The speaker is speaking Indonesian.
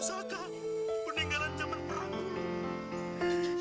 usaha peninggalan zaman tamu